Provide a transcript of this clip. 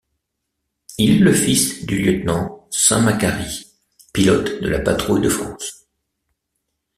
Il est le fils du Lieutenant Saint-Macary, pilote de la Patrouille de France.